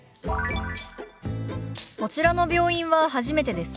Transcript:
「こちらの病院は初めてですか？」。